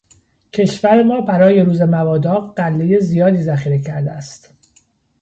کشور ما برای روز مبادا غلهٔ زیادی ذخیره کرده است.